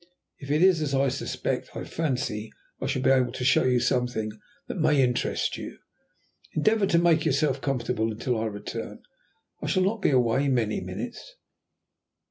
If it is as I suspect, I fancy I shall be able to show you something that may interest you. Endeavour to make yourself comfortable until I return. I shall not be away many minutes."